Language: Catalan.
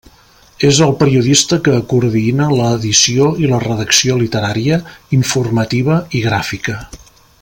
És el periodista que coordina l'edició i la redacció literària, informativa i gràfica.